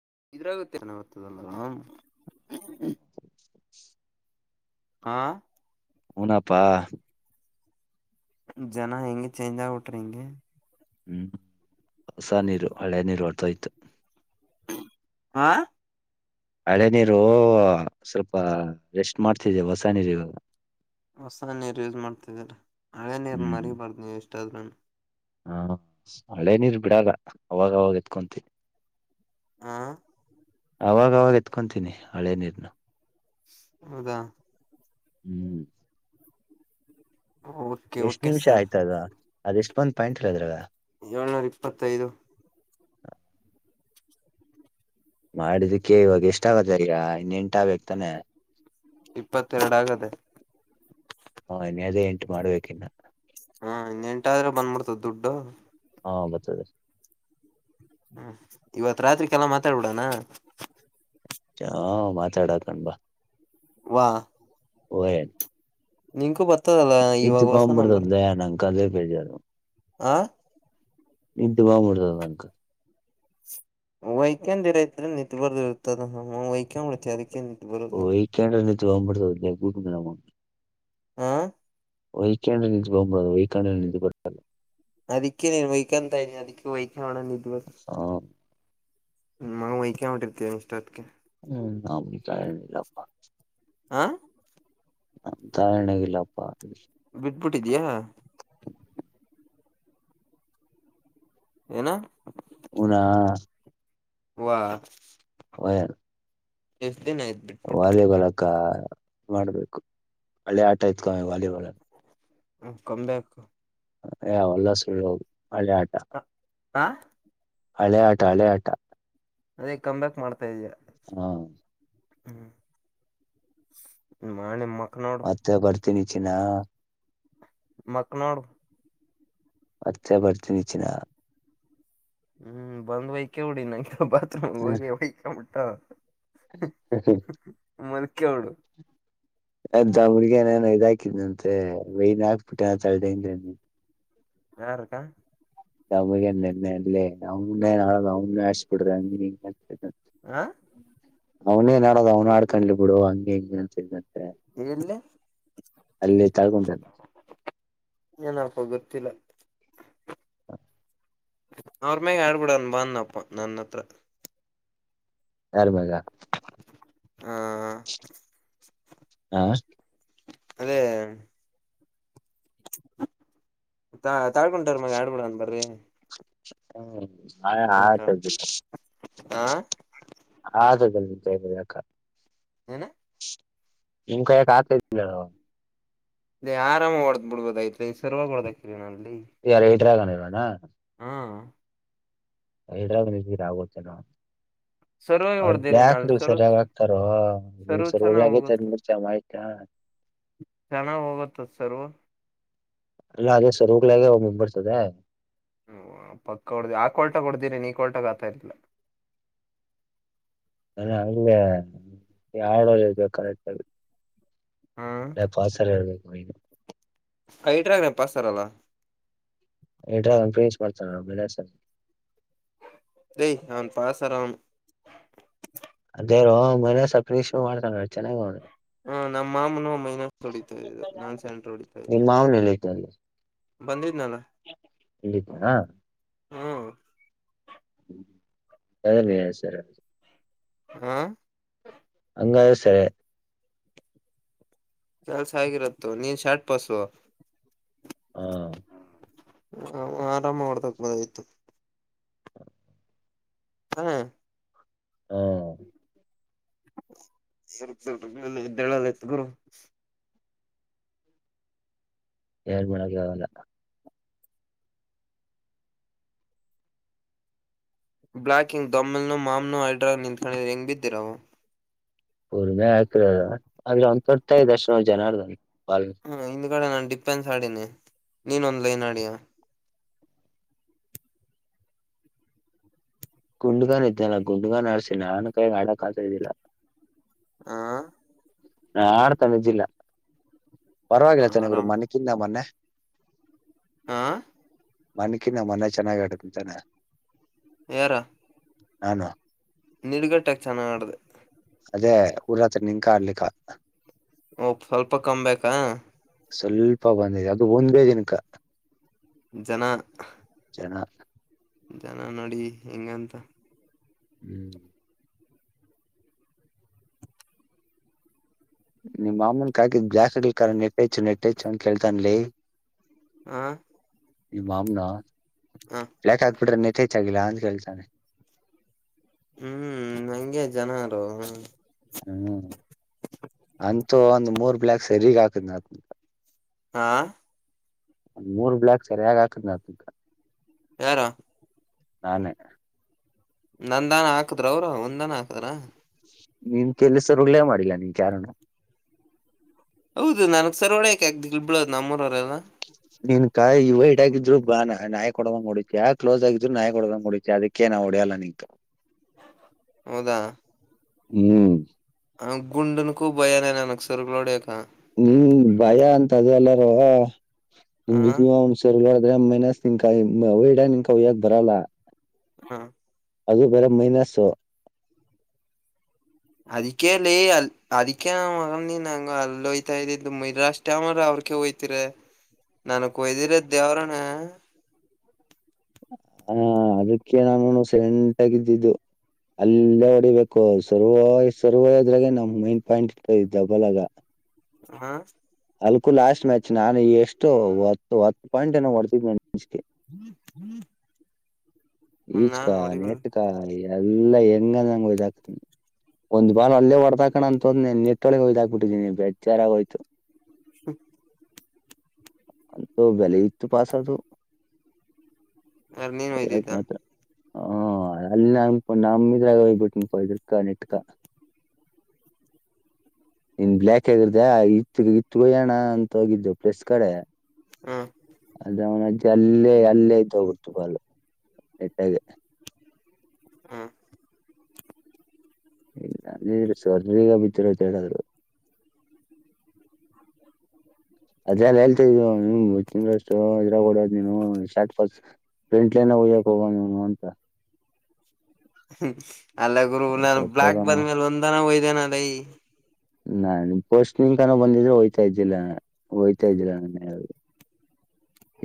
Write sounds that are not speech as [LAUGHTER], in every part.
ಇದ್ರಾಗುತ್ತೆತ್ತದಲ್ಲ [INAUDIBLE] ಹಾ ಹಊನಪ್ಪಾ ಜನ ಹೆಂಗ ಚೇಂಜ್ ಆಗ್ಬಟ್ರಿಂಗೆ ಹ್ಮ್ ಹೊಸ ನೀರು ಹಳೆ ನೀರು ಹೊರ್ತೋಯ್ತು ಹಾ ಹಳೆ ನೀರು ಸ್ವಲ್ಪ ರೆಸ್ಟ್ ಮಾಡ್ತಿದ್ದೆ ಹೊಸ ನೀರಿ ಹೊಸ ನೀರು ಯೂಸ್ ಮಾಡ್ತಿದ್ರ ಹಳೇ ನೀರು ಮರಿಬಾರ್ದ ನೀವ ಎಷ್ಟಾದ್ರೂನು ಹಾ ಹಳೆ ನೀರ್ ಬಿಡಾಗ ಅವಾಗವಾಗ ಎತ್ಕೊಂತೀನಿ ಹಾ ಅವಾಗವಾಗ ಎತ್ಕೊತೀನಿ ಹಳೆ ನೀರ್ನು ಹೌದಾ ಹ್ಮ್ ಓಕೆ ಎಷ್ಟ್ ಓಕೆ ನಿಮಿಷ ಸರ್ ಆಯ್ತ ಅದ ಅದ ಎಷ್ಟ ಬಂದ ಪಾಯಂಟ್್ರ ಅದ್ರಾಗ ಏಳ್ನೂರ ಇಪ್ಪತ್ತೈದು ಮಾಡದಕ್ಕೆ ಇವಾಗ ಎಷ್ಟ ಆಗತ್ತೀರಾ ಇನ್ನೆಂಟ ಬಕ್ತಾನೆ ಇಪ್ಪತ್ತೆರಡು ಆಗದೆ ಹಾ ಇನ್ನು ಅದೇ ಎಂಟು ಮಾಡ್ಬೇಕ ಇನ್ನ ಹಾೆಂಟಾದ್ರೆ ಬಂದ್ಬಿಡ್ತದ ದುಡ್ಡು ಹಾ ಬತ ಹ್ಮ ಇವತ್ ರಾತ್ರಿಕಲ್ಲ ಮಾತಾಡ್ಬಿಡಣ ಾ ಮಾತಾಡತ ಅಣಂಬ ವಾ ವಯನ್ ನಿನ್ಕೂ ಬರ್ತದಲ್ಲ ಇವಾಗ ಹೊಸ ನಂಬರ್ ಕಾಲ ಪೇಜಾರ ಆ ಇಂತ ಮಾಬಡಿದಕ ವೈಕ್ಯಂಡ ರೈತ ನಿಂತು ಬರದ ಇರುತ್ತದಮ್ಮ ವೈಕ್ಯಳಕ್ಕೆ ಅದಕ್ಕೆ ನಿಂತು ಬರೋದಿಲ್ಲ ಜವ ಮಾಡತ ಅದಗೂಟ ಮ ಹ್ಮ ವೈಕಾಂಡ್ರ ನಿಂತಕೊ್ಬುದು ವೈಕಂಡ್ರ ನಿು ಬರ್ತಲ್ಲ ಅದಿಕ್ಕೆ ನೀ ವಹನ್ ತ ಅದಿಕ್ಕೆ ವಹಣ ನಿ ದಿವ ಹ ವಯಕ ಹೊಟ್ಟಿರ್ತೀವಿ ಇಷ್ಟ ಅತ್ಕ್ಕೆ ಹ್ಮ್ ತಾಯನಿಲ್ಲಪ್ಪ ಆಾ ತ ಎಣಗಿಲ್ಲಪ್ಪ ಬಿದ್ದಬಿಟ್ಟಿದಯಾ ಹ್ಮ ಏನ ಹನ ವಾ ಹ ಎಫ್ ವಾಲಿಬಲ್ಕ್ಕ ಮಾಡ್ಬೇಕು ಹಳೆ ಆಟ ಇತ್ಕಮ್ಮಿ ವಾಲಿಬಾಲ್ ಹ ಕಮ್ಯಾಕ್ ಯಾವ ಒಲ್ಲ ಸುಳ್ಳ ಒಳ್ಳೆ ಆಟ ಹಾ ಹಳ ಆಟ ಹಳೆಯ ಆಟ ಅದೇ ಕಮ್ ಬ್ಯಾಕ್ ಮಾಡ್ತಾ ಇದಯಾ ಹ್ಮ ಹ್ಮ್ ಮಳೆ ಮ ಮತ್ತೆ ಬರ್ತೀನಿ ಚಿನ ಮಕ್ಕನಳ ಅಚ್ಚೆ ಬರ್ತಿನಚ್ಚಿನ ಹ್ಮ್ ಬಂದ್ ವೈಕ ಉಡಿ ನಂಗೆ ಬಾತ್ರೂಮ್ ಹೋಗಿ ವಕ ಮುಟ್ಟ ಹ್ಮ ಹ್ಮ ಮನ ಕೆವಡುು ಅದದ ಮಗ ನಾನು ಇದಾಕಿದನಂತೆ ವೇಯನ್ ಹಾಕ್ಬಿಟ್ಟೆ ನ ತಳದಿಂದ ಯಾರುಕ್ಕಾ ನಮಗೆ ನಿೆನ್ನೆ ಅಲ್ಲೇ ನನ್ನ ನಾ ಅವ ಆಿಸಬಿಡ್ರೆ ಆ ಅವ್ನೇನ್ ಆಡದ ಅವ್ನ ಆಡ್ಕೊಂಡ್ಲಿ ಬಿಡು ಹಂಗೆ ಹೆಂಗ ಅಂತ ಅಲ್ಲಿತಳ್ಕೊಂಡ ನ್ಪ್ಪ ಗೊತ್ತಿಲ್ಲ ಅವ್ರ ಮ್ಯಾಗ ಆಡ್ಬಿಡನ್ ಬಂದಪ್ಪ ನನ್ನ ಹತ್ರ ಯಾರ ಮಾಗ ಹ ಹ ಅದೇ ತಾಳ್ಕೊಟ್ರ ಮಗ ಆಡ್ಬಿಡನ್ ಬರ್ರಿ ಹ್ಮ್ ಆ ಆಯ್ತ್ಆತ ಆ ಜಯಕ ಹನಾ ನಿಮ ಕಯಕಾತ ಇ ಆರಾಮ ಹೊಓದ್ ಬಿಡ್ಬೋದ ಐತ್ರಿ ಸರ್ವಾಗ ಹೊಡದಕಿರರಿ ನಲ್ಲಿ ಯಾರ ಇಟ್ರ ಆಗಾನ ಇಲ್ವಣ ಹಾ ಹೈದರಾಬಾದ್ ನಿ ಆಗೋ ಜನ ಸರ್ವಾಗಿ ಅ ಹೊಡ್ದಿರಿ ಬಾಕ್ ನಲ್ಲಿ ಸರ್ ಸರಿಯಾಗ ಆಗ್ತಾರ ನಿ್ ಸರ್ವ್ ಸರ್ ಹೋಗ್ಳಾಗತ ಮುಡ್ತ ಆ್ ಹಾ ಚೆನ್ನಾಗ ಹೋಗತ್ತತ್ ಸರ್ ಅಲ್ಲ ಅದೆ ಸ್ವರೂೋಗ ಲೆ ಅವ ಮಂಬರ್ ಸದ ಹ್ಮ ಪಕ್ಕ ಹೊಡ್ದ ಆ ಕೊೋಲ್ಟಾಗ ಹೊಡ್ದಿರಿ ನೀ ಕೊಲ್ಟಾಗ ಆತಾ ಇರ್ಲಾ [UNINTELLIGIBLE] ನಾನ ಅಲ್ಲೇ ಆಡ ಕರೆಕ್ಟ್ಲ್ಲಿ ಹ್ಮ್ ಎ ಪಸರ ಐಟ್ರಾಗ ನ ಪಸ್ತಾರಲ್ಲ ಡ್ರ ಪ್ರಿನ್ಸ್ ಮಾಡರ್ತಾರೆ ಬೆ ಯ ಅವನ್ ಪಸರಾಮ ಅದೇ ರೋ ಮನಸವ ಶ ಮಾಡ್ಕೊಂಡ ಚೆನ್ನ್ ನೋಿ ಹಾ ನಮ್ಮ ಮಾಮೂನು ಮೈನರ್ ಹೊಡಿತಾದು ನಾನ್ ಸೆಂಟ್ರ ಹೊಡಿತಾ ಇದತ್ತು ನಿಮ್ಮ ಇಲ್ಲಿಿತಾ ಹಾ ್ಮ ಅದಮ ಸರ ಹ ಹಂಗ ಸರಿ ಕೆಲ್ಸ ಹಗಿರತ್ತತ್ತು ನೀನ್ ಶಾಟ್ ಪಸುವ ಹಾ ಆರಾಮ ಮಾಡಡ್ತಾಕಬೋದ ಆಯ್ತು ಹಾ ಹ್ಮ ್ದದತ್ ಗುರು [UNINTELLIGIBLE] ಎಏಳ್ ಮಳಗಾವಲ್ಲ ಬ್ಲ್ಾಕ್ ಹಂಗ್ ದೊಮ್ಮೆಲ್ನ ಮಾಮ್ನುೋ ಅಲ್ಡ್ರಾ ನಿಂತ್ ಹೆಂಗ್ ಬಿದ್ದಿರವು ರ್ಮೆ ಆಾಕರದ ಆದ್ರೆ ಒಂದ ಕೊಡ್ತ ಇದರ್ಶನ ಜನಾರ್ದಾಲ್ ಈ ಕಡೆ ನಾನು ಡಿಪೆನ್ಸ್ ಆಡೀಿನನೆ ನೀನ್ೊಂದ್ ಲೈನ್ ಆಡಿಯಾ ಗುಂಡ್ಗನ್ ಇದ್ದನಲ್ಲ ಗುಂಡ್ಗನ್ ಆರ್ಸಿ ನಾನು ಕೈಗೆ ಆಡಕ್ ಆತ ಇದ್ದಿಲ್ಲ ಹಾ ಹಾ ಆಡ್ತ ನಿಿದ್ದಿಲ್ಲ ಪರವಾಗಿಲ್ಲ ಚೆನಗರು ಮೊನ್ನೆ ಕಿಿಂದ ಮೊನ್ನೆ ಆ ಮನ್ಕಿ ನ ಮನೆ ಚೆನ್ನಾಗ ಅಡ್ಕಂತಾನ ಎರ ಹಾನ ನಿಡ್ಗಟ್ಟಕ್ ಚೆನ್ನಾಗ್ ಮಾಡ್ದ ಅದೇ ಊರ ಹತ್ರ ನಿನ್ಕಾ ಆಡ್ಲಿಕ್ಕ ಓ ಸ್ವಲ್ಪ ಕ್ಬೇಕಾ ಸ್ವಲ್ಪ ಬಂದಿದೆ ಅದು ಒಂದೇ ದಿನಕ ಜನ ಣ ಜನ ನೋಡಿ ಹೆಂಗಂತ ಹ್ಮ್ ನಿಮ್ಮ ಮಾಮನ್ ಕಕಿದ್ದ್ ಜ್ಲಾಕ್ಲ್ ಕ ನೆಟ್ಟೇಚ್ಚು ನೆಟ್ಟೇಚ್ಚು ಅಂತ ಕೇಳ್ತನ್ಲಿ ಆ ಈ ಮಾಮನ ಯಾಕ ಹಾಕ್ಬಿಟ್ರೆ ನತ್ಯೇಚ್ಾಗಿಿಲ್ಲ ಅಂತ ಕೇಳ್ತಾನೆ [UNINTELLIGIBLE] ಹ್ಮ್ ನಂಗೆ ಜನಾರ ಹ್ಮ್ ಅಂತೂ ಒಂದ್ ಮೂರ್ ಬ್ಲ್ಯಾಕ್ ಸರಗ್ ಹಾಕದ್ ಅ ಹಾ ಒ್ ಮೂರ್ ಬ್ಲಯಕ್ ಸರಿಯಾಗಿ ಆಾಕದ್ ನ ತಗ ಯಾರಾ ನಾನೆ ನಂದಾನ ಹಾಕದ್ರ ಅವರು ಒಂದಾನ ಹಾಕ್ಾರ ನಿನ್ ಕೆಲಸರುಳೇ ಮಾಡಿಲ್ಲ ನೀನ್ ಕಾರಣ ಹೌದು ನನಗ್ ಸರ್ ಒಳ್ಯಕ ಆಗ್ದ ಇಬಳೋದು್ ನಮ್ಮೂರವರೆಲ್ಲ ನಿನ್ ಕಾಯ ಇವೈಿ ಆಾಗಿದ್ರು ಬಾ ನಾಯ್ ಕೊಡದಂಗ್ ಹೊಡಚ ಆಾ ಕ್ಲೋಸ್ ಆಗಿದ್ ನಾಯಕ್ ಕೊಡದಂಗ್ಡತಿ ಅದಕ್ಕೇನ ಒಡೆಯಲ್ಲ ನೀಂತ ಹೌದಾ ಹ್ಮ್ ಗುಂಡುನ ಕುೂ ಭಯಾನೇ ನನಕ್ ಸರ್ಕ ಲೋಡಕ ಹ್ಮ್ ಭಯ ಅಂತ ಅದೆ ಆ ಎಲ್ಲಾರಮನ್ಸರ್ಗಳ ಅ್ರೆ ಮೈನಸ್ ನಿನ್ಕಡ ನಿನ್ ಅವಯ್ಯದ ಬರಲ್ಲ ಹಾ ಅದು ಬೇರ ಮೈನಸ್ು ಅದಿಕಲ್ಲಿ ಅ ಅದಿಕೇ ಮಗ ನಂಗ ಅಲ್ಲಿೋಯ್ತಾ ಇದ್ದಿದ್ದು ಮರಾಸ್ ಟಾಮ್ರ ಅವ್ರ ಕ ಹಯ್ತೀರ ನನಕ್ ಒಯ್ದಿರ ದೇವ್ರನ ಹಾ ಅದಕ್ಕೆ ನಾನೂ ಸೆಂಟಗಿದ್ದಿದ್ದು ಅಲ್ಲೇ ಹೊಡಿಬೇಕು ಸರ್ರುವ ಸರ್ರುವದ್ರಾಗೆ ನಮ್ ಮೈನ್ ಪಾಯಿಂಟ್ ಇಬಲ್ಗ ಹಾ ಅಲ್ಕು ಲಾಸ್ಟ್ ಮ್ಯಾಚ್ ನಾನು ಎಷ್ಟು ಒ ಒತ್ತು ಪಾಯಿಂಟ್ ಏ ಹೊಡ್ತಿದ್ ಹ್ಮ್ ಹ್ಮ್ ಈಚಕಾ ನೆಟ್ಕ ಎಲ್ಲಾ ಹೆಂಗ ನಂಗ ಒಾಕ್ತನಿ ಒಂದ್ ಬಾಲ್ ಅಲ್ಲೇ ಹೊಡೆದಕಣ ಅಂತಂದ್ ನೆಟ್ಟೊಳಗೆ ಹಯ್ದಾಕ್ಬಿಟ್ಟಿದೀನಿ ಬೇಜಾರಾಗೋಯ್ತು ಹ್ಮ ಅಂತ ಬೆಲೆ ಇತ್ತು ಪಾಸದು ಅರ ನೀನ್ ಒಯ್ದಯತಾ ಹ ಅಲ್ಲಿ ನಮ ನಮಿದ್ರಾಗ ಹಯ್ಬಿಟ್ಟು ನಿಮಪ ಇದ್ರಕ ನೆಟ್ಕ [INAUDIBLE] ಇನ್ ಬ್ಲ್ಲಾಕ್ ಆಗಿರ್ದ ಇತ್ ಇತ್ಗೋ ಣ ಅಂತ ಹೋಗಿದ್ದು ಪ್ಲಸ್ ಕಡೆ ಹ್ಮ್ ಅದ ಅವನ ಅಜ್ಜಿ ಅಲ್ಲೇ ಅಲ್ಲೇ ಇದ್ದ ಹೋಗಿಡ್ತು ಬಾಲು ನಿಟ್ಟಾಗ ಹಾ ಇಲ್ಲ [UNINTELLIGIBLE] ಅದೆಲ್ಲ ಹೇಳ್ತ ತಿಷ್ಟು ಇದ್ರಾಗಡೋದ್ ನೀನು ಶಾ ಫ್ರೆಂಟ್ಲೈನ್ ಹಯ್ಯಕ್ ಹೋಗಣ ಅಂತ ಅಲ್ಲ ಗುರು ನಾನು ಬ್ಲಾಕ್ ಸತ್ತೋದನು ಬಂದ್ಮೇಲೆ ಒಂದ್ನ ಒಯ್ದೇನ ಅಲ್ಲೈ ನಾ ನಿಮ ಪೋಸ್ಟ್ ನಿನ್ ಕನೋ ಬಂದಿದ್ರೆ ಹೊಯ್ತಾ ಇದ್ದಿಲ್ಲ ಹೋಯ್ತಾ ಇದ್ದಿಲ್ಲ ನನ್ನ ಯು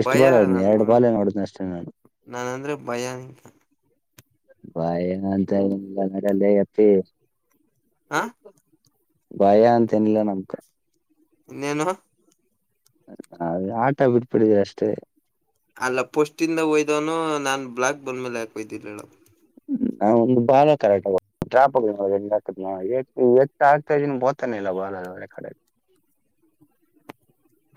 ಎಷ್ಟು ಭಯ ಬಾಲ್ನಿ ನನ್ ಎರಡು ಮಗನ್ ಬಾಲ್ ನೋಡಿದ್ನ ಅಷ್ಟೇ ನಾನು ನಾನ ಅಂದ್ರೆ ಭಯ ನಿಂತ ಬಾಯ ಅಂತ ಏನಲ್ಲ ನಡಲ್ಲ ಅಪ್ಪಿ ಹಾ ಭಯ ಅಂತನ್ಿಲ್ಲ ನಮ್ಕ ಇನ್ನೇನು ಅದೆ ಆಟ ಬಿಟ್ಬಿಡಿದೆ ಅಷ್ಟೇ ಅಲ್ಲ ಪೋಸ್ಟಿಂದ ಒಯ್ದವನು ನಾನ್ ಬ್ಲಾಕ್ ಬಂದ್ಮೇಲೆ ಯಾಕೋಯ್ದಿಲ್ಲಡ ನ ಒಂದು ಬಾಲ ಕರಾಟ ಡ್ರಾಪ್ ಎ ಆಗ್ತಾ ಇದ ಬತಾನೆ ಇಲ್ಲ ಬ ಕಡೆ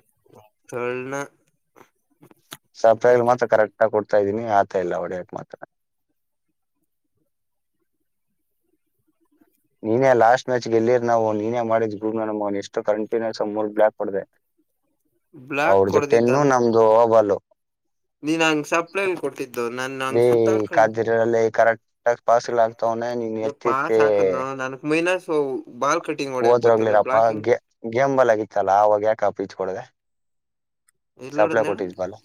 [UNINTELLIGIBLE] ಸಪ್ರೈಲ್ ಮಾತ್ರ ಕರೆಕ್ಟ್ಗ ಕೊಡ್ತಾ ಇದ್ದೀನಿ ಆತ ಇಲ್ಲ ಹೊಡೆಯಕ್ ಮಾತ್ರ [INAUDIBLE] ನೀನೇ ಲಾಸ್ಟ್ ಮ್ಯಾಚ್ಗೆ ಎಲ್ಲಿರ್ ನಾವು ನೀನೇ ಮಾಡಿದ್ ಗ್ರೂಪ್ ನ ನ ಎಷ್ಟು ಕನ್ಫಿನ್ಯೂನ್ಸ್ ಮೂರ್ ಬ್ಲಾಕ್ ಕೊಡ್ದದೆ ಬ್ಲಾಕ್ ಅವ್ರ ಕೊಡ್ದಿದ್ದ ಜೊತೆನ್ನು ಅಲ್ ನಮ್ದು ಹಬಲು ನೀನ್ ಹಂಗ್ ಸಪ್ಲೈಲ್ ಕೊಟ್ಟಿದ್ದಿ ಹ್ಮ್ ಹ್ಮ ಕ್ದಿರಲ್ಲಿ ಕರೆಕ್ಟ ಪಸ್ಲ ತನ ನೀ ಲೇ ಪಾಸ್ ಹೆತ್ತಕೆ ಹಾಕನ ನನ್ಕ್ ಮೈನಸ್ ಬಾಲ್ ಕಟಿಂಗ್ ಹೊಡ್ಯಕ್ ಬರ್ತದೆ ಹೋದ್ರೋಗ್ಲಿರಪ್ಪ ಬ್ಲಾಕಿಂಗ್ ಗೇಮ್ ಬಲ್ ಆಗಿತ್ತಲ್ಲ ಆವಾಗ ಯಾಕಪ್ಪ ಪಿಚ್ ಕೊಡದೆ ಎಲ್ಲಿ ಸಪ್ಲೈ ಹೊಡದ್ನ ಹೇಳು ಕೊಟ್ಟಿದಲ್ಲ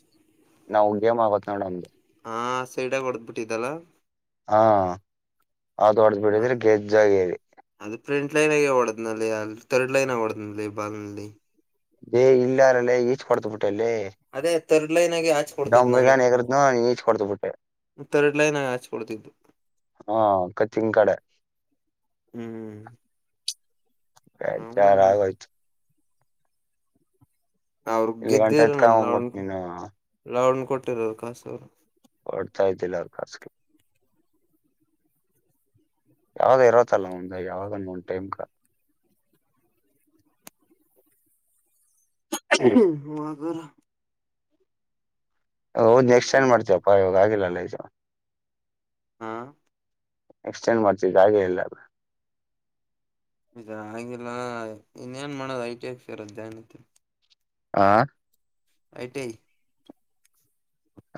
ನಾವು ಗೇಮ್ ಆಗತ್ ನೋಡಮ್ದು ಹಾ ಸೈಡಾಗ ಹೊಡೆದ್ ಬಿಟ್ಟಿದ್ದಲ್ಲ ಹಾ ಆತೊಡ್ದ್ ಹ ಬಿಟ್ಟಿದ್ರೆ ಗೆಜ್ಜ ಆಗೇರಿ ಅದು ಫ್ರಂಟ್ ಲೈನ್ ಆಗ ಹೊಡದ್ನಲ್ಲಿ ಅಲ್ಲಿ ಥರ್ಡ್ ಲೈನ್ ಆಗ ಹೊಡ್ನಲ್ಲಿ ಬಾಲ್ ನಲ್ಲಿ ಹೇ ಇಲ್ಲಾರ ಲೇ ಈಚ್ ಹೊಡೆದು ಬಿಟ್ಟೆ ಲೇ ಅದೇ ತರ್ಡ್ ಲೈನ್ ಆಗಿ ಆಚೆ ಕೊಡ್ತಿದ್ ನಮ್ ಹುಡುಗನು ಎದ್ರುಬಿಟ್ನಾ ಈಚ ಕೊಡ್ತ ಬಿಟ್ಟೆ ಥರ್ಡ್ ಲೈನ್ ಹಚ್ಕೊಡ್ತಿದ್ದು ಹಾ ಕಚ್ಚಿನ್ ಕಡೆ ಹ್ಮ್ ಅವನ್ ಬೇಜಾರು ಆಗೋಯ್ತು ಅವ್ರಗ್ ಇಲ್ಲಿ ಗಂಟೆ ಗೆದ್ದಿರ ಎತ್ಕೊಂಬಂದ್ಬಿಟ್ಟು ನೀನು ನನ್ [UNINTELLIGIBLE] ಕೊಟ್ಟಿರ ಕಾಸ ಅವರು ಹೊಡ್ತಾಯತಿಲ್ಲಾರ ಕಾಸಕೆ ಯಾವ್ದ ಇರತ್ತಲ್ಲ ಒಂದ ಯಾವ್ದನ್ನು ಒಂದು ಟೈಮ್ಗ [INAUDIBLE] [UNINTELLIGIBLE] ಹೌದ್ ನೆಕ್ಸ್ಟ್ ಹ್ಮ್ ಟೈಂಡ್ ಮಾಡ್ತವಪ್ಪ ಇವಾಗ ಆಗಿಲ್ಲಲ್ಲ ಈ ಹಾ ಎಕ್ಸ್ಟೆಂಡ್ ಮಾಡ್ತ ಹಾಗೆ ಎಲ್ಲ ಇದ ಹಂಗಿಲ್ಲ ಇನ್ನ ಏನ್ ಮಾಡೋದ ಐ ಟಿ ಎಕ್ ಸೇರ ಜನ ಆ ಐಟಿ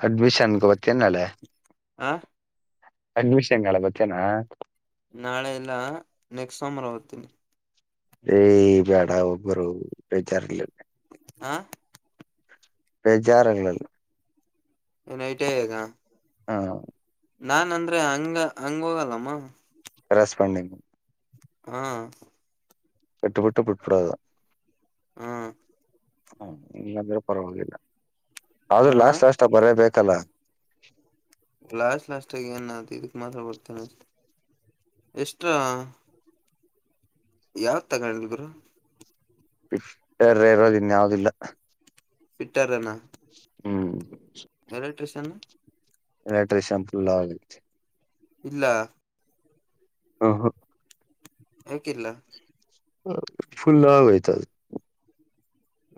ಅಡ್ಮಿಷನ್ಗೆ ಹೋಗ್ತೀಯ ನಾಳೆ ಆ ಅಡ್ಮಿಶನ್ ಹೇಳಬೇಕೇನಾ ನಾಳೆ ಎಲ್ಲ ನೆಕ್ಸ್ಟ್ ಸೋಮವಾರ ಹೋಯಿತೀನಿ ಏ ಬೇಡ ಒಬ್ಬರು ಬೇಜಾರಲ ಹಾ ಬೇಜಾರು ಆಗಲಿ ಏನ್ ಐಟಿ ಯಾಗ ಹ್ಮ ನಾನ್ ಅಂದ್ರೆ ಹಂಗ ಹಂಗ ಹೋಗಲ್ಲಮ್ಮ ರೆಸ್ಪಾಂಡಿಂಗ್ ಹಾ. ಎಟ್ಟು ಬಿಟ್ಟು ಬಿಟ್ಬಿಡದ. ಹಾ ಹ ಇಲ್ಲಾದ್ರೂ ಪರವಾಗಿಲ್ಲ ಆದ್ರೂ ಹಾ ಲಾಸ್ಟ್ ಲಾಷ್ಟ ಬರಬೇಕು ಕಲ ಲಾಸ್ಟ್ ಲಾಸ್ಟ್ ಆಗ ಏನ್ ಇದಕ್ ಮಾತ್ರ ಬರ್ತೇನೆ. ಎಷ್ಟ ಯಾವತ್ ತಗೊಂಡಿದ ಗುರು. [UNINTELLIGIBLE] ಯಾವವುದಿಲ್ಲ. ಇಟ್ಟಾರೆನಾ. ಹ್ಮ್ ಪ್ರಸನ್ನ. ಎಲೆಕ್ಟ್ರ ಶೆಂಪೂ ಲಾವ. ಇಲ್ಲ. ಹ ಹಾ. ಹಕ್ಕಿಲ್ಲ. ಫುಲ್ ಲವಯತ.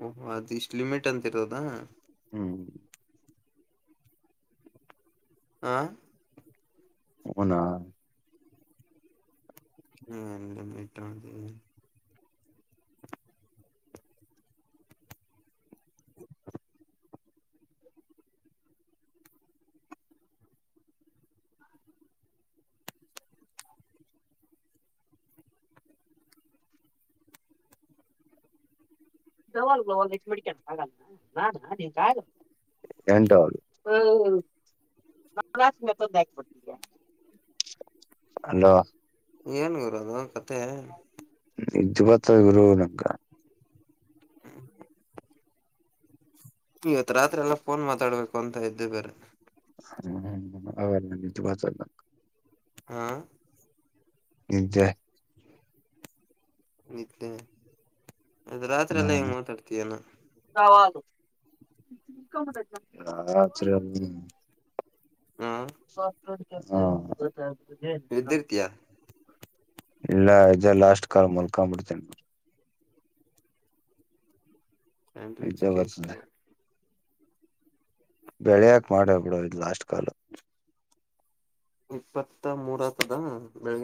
ಓಹ ಅದು್ ಇಷ್ಟ್ ಲಿಮಿಟ್ ಅಂತಿರದ. ಹ್ಮ್ ಹ. ಹನಾ. ಹ್ಮ ಎಲ್ಲ ಮಟ. ಲ್ ಒ ಎಷ್ಟು ಮಿಡಿಕ ಹಾಗಗಲ್ಲ ನಾನ ನಿಂತ ಆಗುತ್ತ. ಎಟ ನ. ಅಲ್ಲೋ. ಏನ್ ಗರೋದು ಕತೆೆ. ನಿಜು ಬತ್ತ ಗುರು ನಕ. ಹ. ಇವತ್ ರಾತ್ರಿ ಎಲ್ಲ ಫೋನ್ ಮಾತಾಡ್ಬೇಕು ಅಂತ ಇದ್ದು ಬೇರೆ. ಹ್ಮ ಹ್ಮ ಅವವು ವಚ ನ. ಹಾ. ಜಯ. ನಿತ್ಯೆ ಅದ ರಾತ್ರಿ ಎಲ್ಲ ಹೆಂಗ ಮಾತಾಡ್ತಯಾನ. ಹ ಸರಿ. ಹ ಸಫ್ಟವೇ ಕೆಸ ಬಕ್ಕ ಎದ್ದಿರ್ತೀಯ ಇಲ್ಲ ಇದ ಲಾಸ್ಟ್ ಕಾಲ ಮುೊಲ್ಕಾ ಬಿಿಡ್ತೀ ಎಂತ್ರ ನಿದ್ದೆ ಕೆಸ ಬರ್ತದೆ ಬೆಳೆಯಕ್ ಮಾಡ ಬಿಡ ಇ್ ಲಾಸ್ಟ್ ಕಾಲು ಇಪ್ಪತ್ತ ಮೂರ ಹತ್ತದ ಬೆಳಗ್